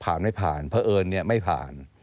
ผ่านไม่ผ่านเพราะเอิญเนี่ยไม่ผ่าน